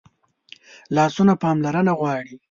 لاسونه پاملرنه غواړي